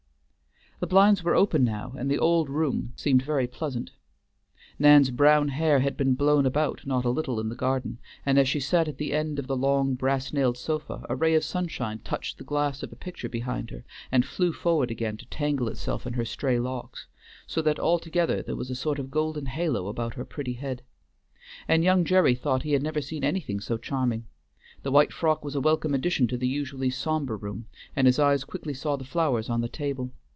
The blinds were open now, and the old room seemed very pleasant. Nan's brown hair had been blown about not a little in the garden, and as she sat at the end of the long, brass nailed sofa, a ray of sunshine touched the glass of a picture behind her and flew forward again to tangle itself in her stray locks, so that altogether there was a sort of golden halo about her pretty head. And young Gerry thought he had never seen anything so charming. The white frock was a welcome addition to the usually sombre room, and his eyes quickly saw the flowers on the table.